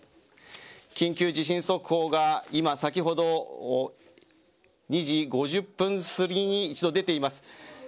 緊急地震速報が今、先ほど２時５０分すぎに一度出ています。